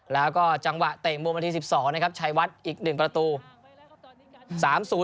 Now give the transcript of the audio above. แล้วก็จังหวะเตะมุมนาที๑๒นะครับชัยวัดอีก๑ประตู๓๐